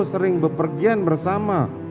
sering berpergian bersama